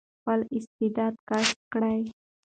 خپل استعداد کشف کړئ.